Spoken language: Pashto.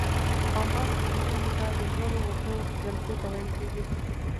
پامپاس د جنوبي امریکا د لوړو وښو جلګو ته ویل کیږي.